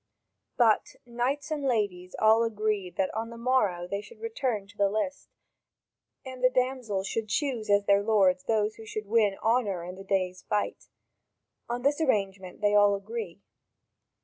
But knights and ladies all agreed that on the morrow they should return to the list, and the damsels should choose as their lords those who should win honour in that day's fight: on this arrangement they all agree.